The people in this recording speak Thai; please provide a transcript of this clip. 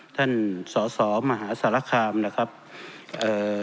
ท่านสอสอมหาสารคามนะครับเอ่อ